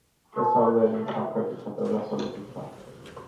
შესასვლელი სამხრეთითა და დასავლეთითაა.